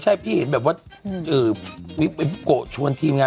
เห็นแล้วเราก็น่ะอ่า